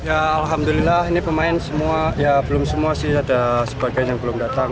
ya alhamdulillah ini pemain semua ya belum semua sih ada sebagian yang belum datang